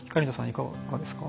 いかがですか？